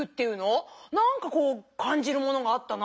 何かこうかんじるものがあったな。